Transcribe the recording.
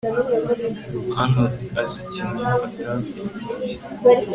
arnaud azi ikintu atatubwiye